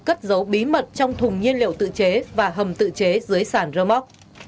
cất dấu bí mật trong thùng nhiên liệu tự chế và hầm tự chế dưới sản rơ móc